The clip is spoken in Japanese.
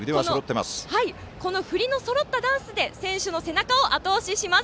この振りのそろったダンスで選手の背中をあと押しします。